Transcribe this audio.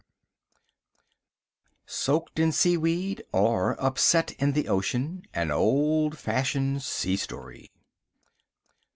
VIII. Soaked in Seaweed: or, Upset in the Ocean (_An Old fashioned Sea Story.